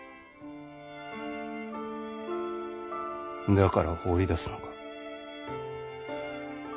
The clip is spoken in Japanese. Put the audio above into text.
だから放り出すのか？